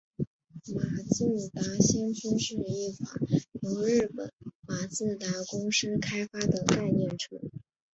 马自达先驱是一款由日本马自达公司开发的概念车。